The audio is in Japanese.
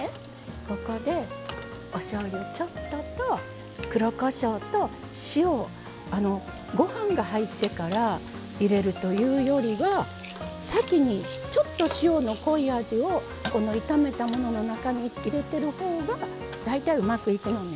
ここでおしょうゆちょっとと黒こしょうと塩をあのご飯が入ってから入れるというよりは先にちょっと塩の濃い味を炒めたものの中に入れてる方が大体うまくいくのね。